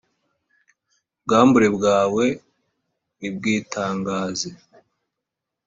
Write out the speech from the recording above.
ubwambure bwawe nibwitangaze,